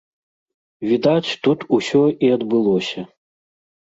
Відаць тут усё і адбылося.